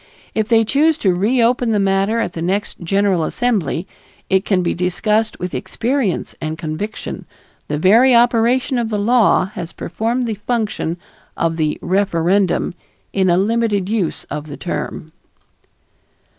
If they choose to reopen the matter at the next General Assembly, it can be discussed with experience and conviction; the very operation of the law has performed the function of the "referendum" in a limited use of the term.